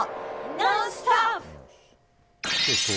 「ノンストップ！」。